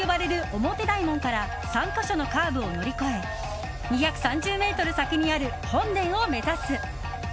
表大門から３か所のカーブを乗り越え２３０ｍ先にある本殿を目指す。